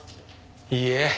いいえ。